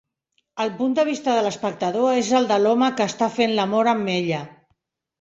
El punt de vista de l'espectador és el de l'home que està fent l'amor amb ella.